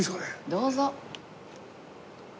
どうぞ。